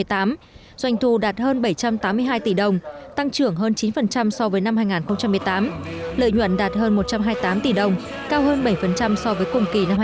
doanh thu đạt hơn bảy trăm tám mươi hai tỷ đồng tăng trưởng hơn chín so với năm hai nghìn một mươi tám lợi nhuận đạt hơn một trăm hai mươi tám tỷ đồng cao hơn bảy so với cùng kỳ năm hai nghìn một mươi